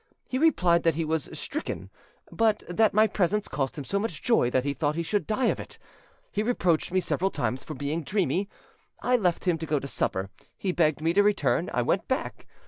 He replied that he was—stricken, but that my presence caused him so much joy that he thought he should die of it. He reproached me several times for being dreamy; I left him to go to supper; he begged me to return: I went back.